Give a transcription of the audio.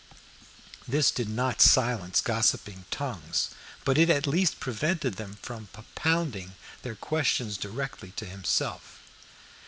This did not silence gossiping tongues, but it at least prevented them from propounding their questions directly to himself.